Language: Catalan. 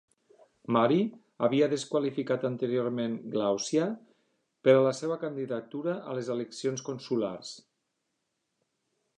Mari havia desqualificat anteriorment Glàucia per a la candidatura a les eleccions consulars.